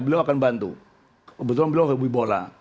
beliau akan bantu kebetulan beliau kebui bola